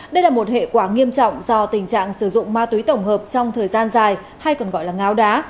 đây là một hệ quả nghiêm trọng do tình trạng sử dụng ma túy tổng hợp trong thời gian dài hay còn gọi là ngáo đá